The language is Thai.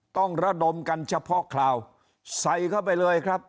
ต้องระดมกันเฉพาะคราวใส่เข้าไปเลยครับ